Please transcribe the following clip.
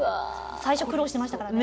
最初苦労してましたからね。